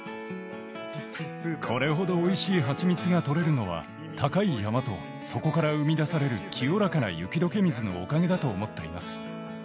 これほどおいしい蜂蜜が採れるのは高い山とそこから生み出される清らかな雪解け水のおかげだと思っています。